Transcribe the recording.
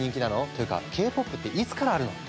ていうかＫ−ＰＯＰっていつからあるの？